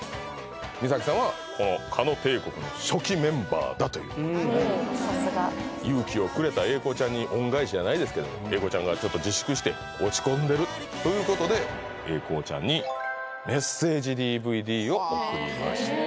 美咲さんはこのさすが勇気をくれた英孝ちゃんに恩返しじゃないですけど英孝ちゃんがちょっと自粛して落ち込んでるということで英孝ちゃんにメッセージＤＶＤを送りました